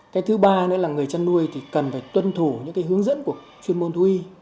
cái thứ ba nữa là người chăn nuôi thì cần phải tuân thủ những cái hướng dẫn của chuyên môn thú y